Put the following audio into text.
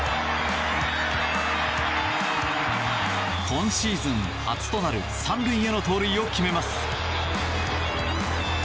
今シーズン初となる３塁への盗塁を決めます。